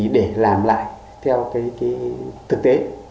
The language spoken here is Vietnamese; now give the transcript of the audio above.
để làm lại theo thực tế